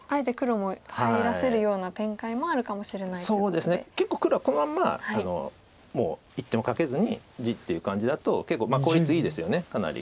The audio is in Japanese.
そうですね結構黒はこのまんまもう１手もかけずに地っていう感じだと結構効率いいですよねかなり。